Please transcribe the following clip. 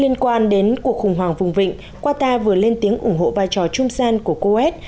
liên quan đến cuộc khủng hoảng vùng vịnh qatar vừa lên tiếng ủng hộ vai trò trung gian của coes